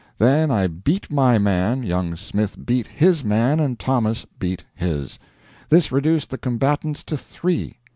Then I beat my man, young Smith beat his man, and Thomas beat his. This reduced the combatants to three.